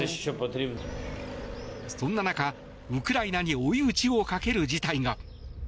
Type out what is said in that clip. そんな中、ウクライナに追い打ちをかける事態が。